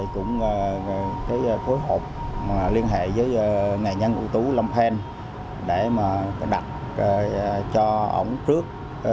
cũng có hộp liên hệ với nghệ nhân ủ tố lâm phen để đặt cho ông trước